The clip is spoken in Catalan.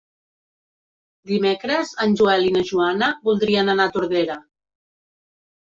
Dimecres en Joel i na Joana voldrien anar a Tordera.